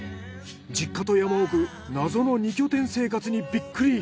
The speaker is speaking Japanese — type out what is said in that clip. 実家と山奥謎の二拠点生活にビックリ！